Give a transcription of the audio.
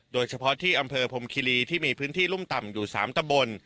โดยเฉพาะที่อำเภอพรมคิรีที่มีพื้นที่รุ่มต่ำอยู่๓ตำบล